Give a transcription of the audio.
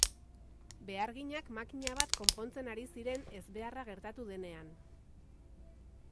Beharginak makina bat konpontzen ari ziren ezbeharra gertatu denean.